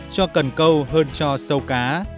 cho cần câu hơn cho sâu cá